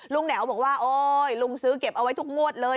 แหนวบอกว่าโอ๊ยลุงซื้อเก็บเอาไว้ทุกงวดเลย